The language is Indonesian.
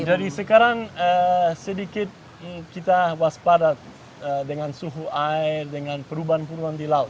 jadi sekarang sedikit kita waspadat dengan suhu air dengan perubahan puluhan di laut